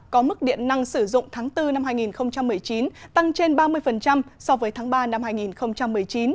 có mức điện năng sử dụng tháng bốn năm hai nghìn một mươi chín tăng trên ba mươi so với tháng ba năm hai nghìn một mươi chín